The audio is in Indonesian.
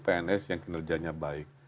pns yang kinerjanya baik